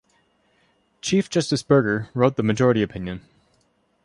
Chief Justice Burger wrote the majority opinion.